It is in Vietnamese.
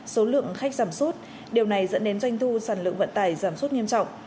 số lượng khách giảm suốt điều này dẫn đến doanh thu sản lượng vận tải giảm suốt nghiêm trọng